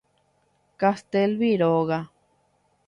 Castelví róga.